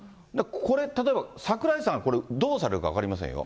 これ、例えば、櫻井さんはどうされるか分かりませんよ。